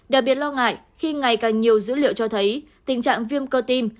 đặc biệt lo ngại khi ngày càng nhiều dữ liệu cho thấy tình trạng viêm cơ tim